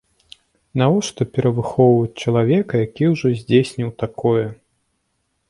Навошта перавыхоўваць чалавека, які ўжо здзейсніў такое!